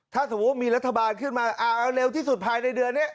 ถ้าสมมุติมีรัฐบาลขึ้นมาเอาเร็วที่สุดภายในเดือนนี้